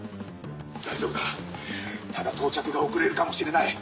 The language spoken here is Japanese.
大丈夫だただ到着が遅れるかもしれない。